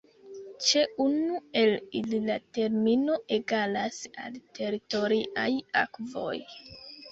Ĉe unu el ili la termino egalas al teritoriaj akvoj.